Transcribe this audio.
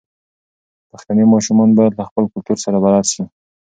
پښتني ماشومان بايد له خپل کلتور سره بلد شي.